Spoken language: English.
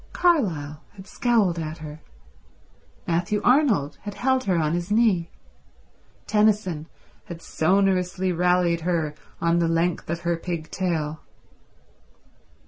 Carlyle had scowled at her; Matthew Arnold had held her on his knee; Tennyson had sonorously rallied her on the length of her pig tail.